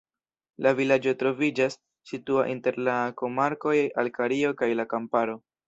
La vilaĝo troviĝas situa inter la komarkoj Alkario kaj la Kamparo.